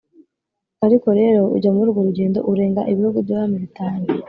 ariko rero ujya muri urwo rugendo urenga ibihugu by’abami bitanu !